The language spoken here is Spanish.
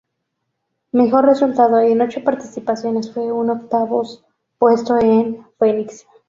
Su mejor resultado en ocho participaciones fue un octavos puesto en Phoenix.